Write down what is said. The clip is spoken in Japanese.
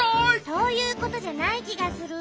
そういうことじゃないきがする。